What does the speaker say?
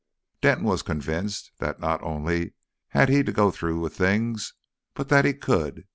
Denton was convinced that not only had he to go through with things, but that he could.